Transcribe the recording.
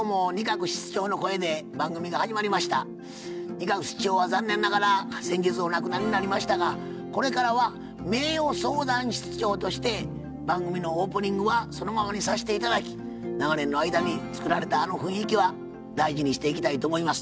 仁鶴室長は残念ながら先日お亡くなりになりましたがこれからは名誉相談室長として番組のオープニングはそのままにさせて頂き長年の間に作られたあの雰囲気は大事にしていきたいと思います。